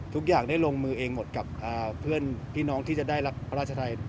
ทุกอย่างได้ลงมือเองหมดกับเพื่อนพี่น้องที่จะได้รักพระราชไทย